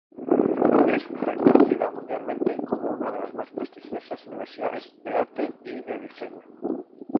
Es reconocida mundialmente como una de las más prestigiosas universidades de arte y diseño.